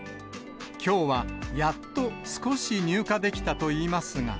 きょうはやっと少し入荷できたといいますが。